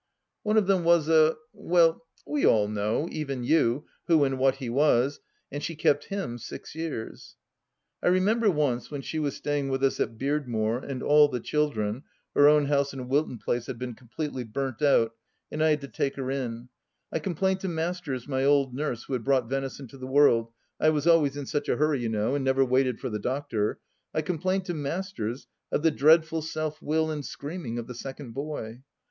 One of them was a — well, we all know, even you, who and what he was — and she kept him six years. I remember once, when she was staying with us at Beardmore, and all the children — her own house in Wilton Place had been completely burnt out, and I had to take her in — I complained to Masters, my old nurse, who had brought Venice into the world — I was always in such a hurry, you know, and never waited for the doctor — I complained to Masters of the dreadful self will and screaming of the second boy.